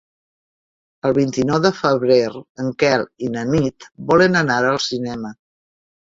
El vint-i-nou de febrer en Quel i na Nit volen anar al cinema.